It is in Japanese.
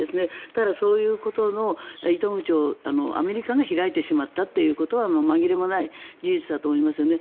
だから、そういうことの糸口をアメリカが開いてしまったということは紛れもない事実だと思いますよね。